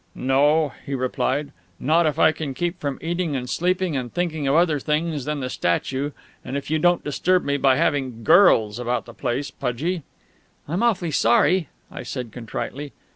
"No," he replied, "not if I can keep from eating and sleeping and thinking of other things than the statue and if you don't disturb me by having girls about the place, Pudgie." "I'm awfully sorry," I said contritely.